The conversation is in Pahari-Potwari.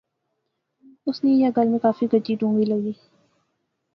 اس نی ایہہ گل میں کافی گجی ڈونغی لغی